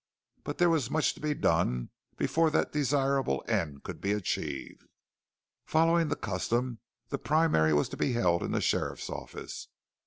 But there was much to be done before that desirable end could be achieved. Following the custom the primary was to be held in the sheriff's office.